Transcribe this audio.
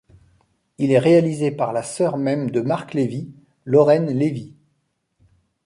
Il est réalisé par la sœur même de Marc Lévy, Lorraine Lévy.